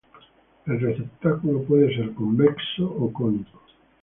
El receptáculo puede ser convexo o cónico.